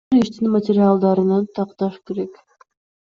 Азыр иштин материалдарын такташ керек.